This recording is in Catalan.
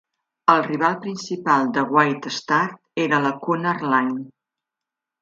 El rival principal de White Star era la Cunard Line.